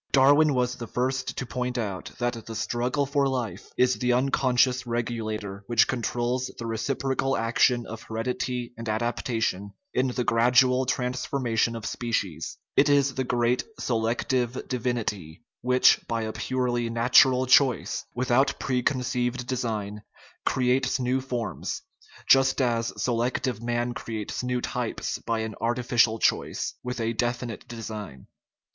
Dar win was the first to point out that the "struggle for life " is the unconscious regulator which controls the reciprocal action of heredity and adaptation in the gradual transformation of species; it is the great "se lective divinity" which, by a purely "natural choice," without preconceived design, creates new forms, just as selective man creates new types by an "artificial choice " with a definite design.